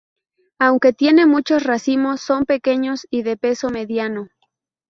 Aunque tiene muchos racimos, son pequeños y de peso mediano.